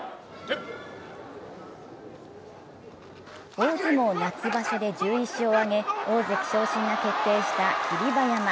大相撲夏場所で１１勝を挙げ、大関昇進が決定した霧馬山。